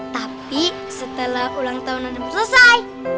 tapi setelah ulang tahun anda selesai